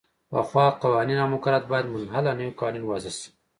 پخوا قوانین او مقررات باید منحل او نوي قوانین وضعه شي.